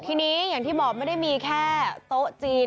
ทีนี้อย่างที่บอกไม่ได้มีแค่โต๊ะจีน